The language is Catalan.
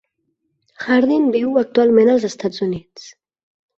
Hardin viu actualment als Estats Units.